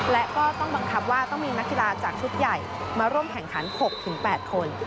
และก็ต้องบังคับว่าต้องมีนักกีฬาจากชุดใหญ่มาร่วมแข่งขัน๖๘คน